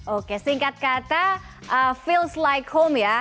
oke singkat kata feels like home ya